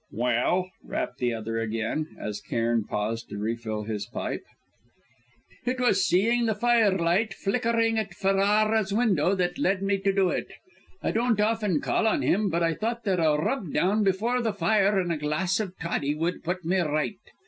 "Well?" rapped the other again, as Cairn paused to refill his pipe. "It was seeing the firelight flickering at Ferrara's window that led me to do it. I don't often call on him; but I thought that a rub down before the fire and a glass of toddy would put me right.